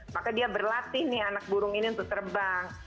maka dia berlatih nih anak burung ini untuk terbang